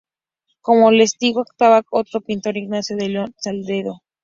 Como testigo actuaba otro pintor: Ignacio de León Salcedo.